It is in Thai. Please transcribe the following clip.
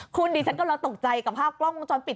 คุณดิฉันกำลังตกใจกับภาพกล้องวงจรปิด